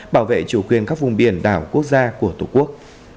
bảo vệ chủ quyền các vùng biển đảo quốc gia của tổ quốc